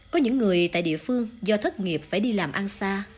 có những người tại địa phương do thất nghiệp phải đi làm ăn xa